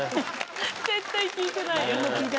絶対聞いてないよ。